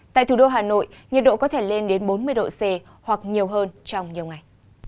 tại thủ đô hà nội nhiệt độ có thể lên đến bốn mươi độ c hoặc nhiều hơn trong nhiều ngày